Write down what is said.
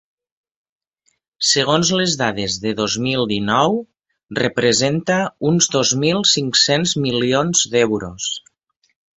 Segons les dades de dos mil dinou, representa uns dos mil cinc-cents milions d’euros.